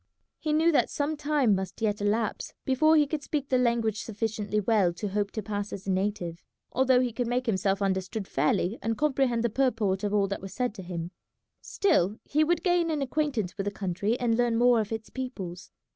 He knew that some time must yet elapse before he could speak the language sufficiently well to hope to pass as a native, although he could make himself understood fairly and comprehend the purport of all that was said to him; still he would gain an acquaintance with the country and learn more of its peoples.